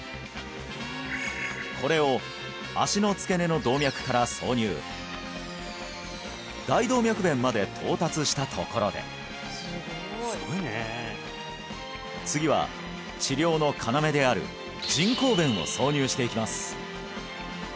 これを足の付け根の動脈から挿入大動脈弁まで到達したところで次は治療の要である人工弁を挿入していきます